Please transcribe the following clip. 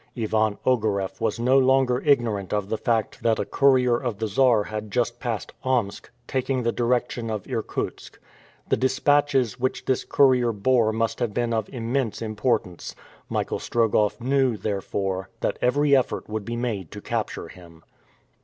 Ivan Ogareff was no longer ignorant of the fact that a courier of the Czar had just passed Omsk, taking the direction of Irkutsk. The dispatches which this courier bore must have been of immense importance. Michael Strogoff knew, therefore, that every effort would be made to capture him.